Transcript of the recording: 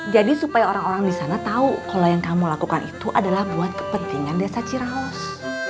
jadi supaya orang orang disana tau kalo yang kamu lakukan itu adalah buat kepentingan desa ciraos